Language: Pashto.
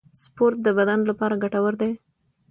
سپورت د بدن لپاره ګټور دی